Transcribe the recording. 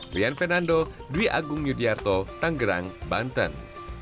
lian fernando dwi agung yudhoyarto tanggerang banten